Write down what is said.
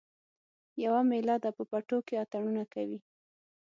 یوه میله ده په پټو کې اتڼونه کوي